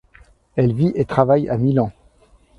Elle vit et travaille à Milan.